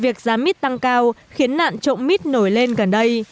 việc giá mít tăng cao khiến nạn trộm mít nổi lên gần đây